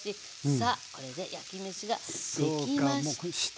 さあこれで焼きめしができました。